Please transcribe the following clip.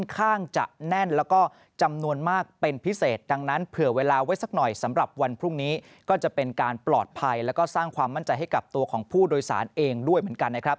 ก็จะเป็นการปลอดภัยและสร้างความมั่นใจให้กลับตัวของผู้โดยสารเองด้วยเหมือนกัน